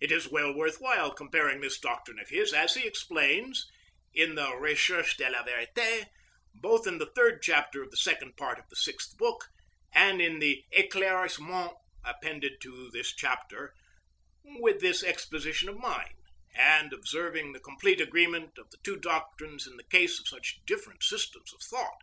It is well worth while comparing this doctrine of his, as he explains it in the "Recherches de la Vérite," both in the 3rd Chapter of the second part of the 6th Book, and in the éclaircissements appended to this chapter, with this exposition of mine, and observing the complete agreement of the two doctrines in the case of such different systems of thought.